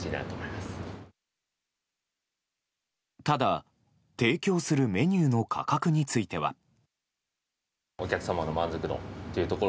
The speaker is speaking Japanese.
ただ、提供するメニューの価格については。